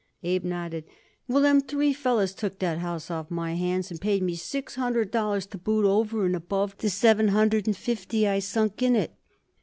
Abe nodded. "Well, them three fellers took that house off of my hands and paid me six hundred dollars to boot, over and above the seven hundred and fifty I sunk in it."